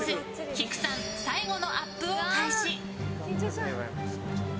きくさん、最後のアップを開始。